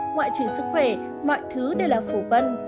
ngoại trừ sức khỏe mọi thứ đều là phổ vân